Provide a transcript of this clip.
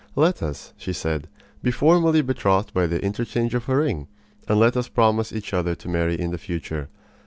"Let us," she said, "be formally betrothed by the interchange of a ring, and let us promise each other to marry in the future.